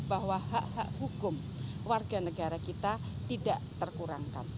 bahwa hak hak hukum warga negara kita tidak terkurangkan